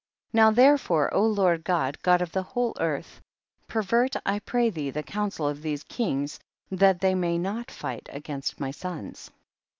66. Now therefore Lord God, God of the whole earth, pervert I pray thee the counsel of these kings that they may not fight against my sons.